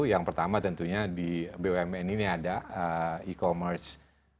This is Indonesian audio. yang pertama tentunya di bumn ini ada e commerce